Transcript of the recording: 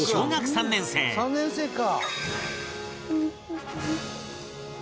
「３年生か！」